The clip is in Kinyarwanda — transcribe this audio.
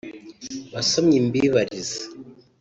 Basomyi mbibarize